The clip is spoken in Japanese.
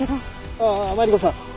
ああマリコさん